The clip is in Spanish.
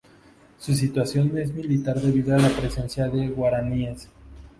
Su situación es similar debido a la presencia de Guaraníes.